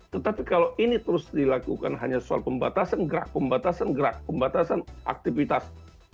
tetapi kalau ini terus dilakukan hanya soal pembatasan gerak pembatasan gerak pembatasan aktivitas